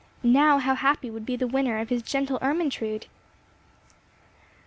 Now how happy would be the winner of his gentle Ermentrude!